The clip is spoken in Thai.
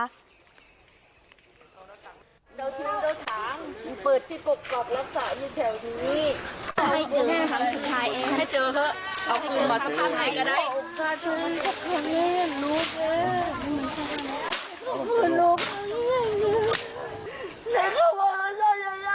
ยายาอยู่ริมตลิ่งหวังว่าจะได้เจอกับลูกสาวอีกครั้งหนึ่งนะคะ